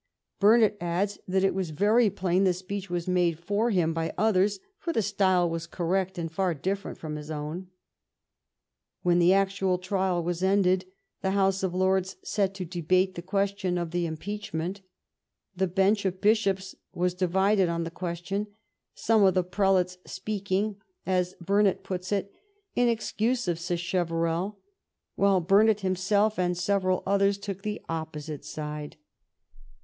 Burnet adds that " it was very plain the speech was made for him by others; for the style was correct, and far different from his own." When the actual trial was ended the House of Lords set to debate the question of the impeachment. The Bench of Bishops was divided on the question, some of the prelates speaking, as Burnet puts it, " in ex cuse of Sacheverell," while Burnet himself and several others took the opposite side.